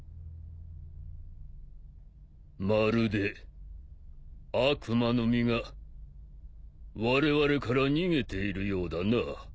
まるで悪魔の実がわれわれから逃げているようだな。